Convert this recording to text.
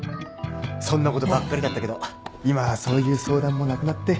そんなことばっかりだったけど今はそういう相談もなくなって。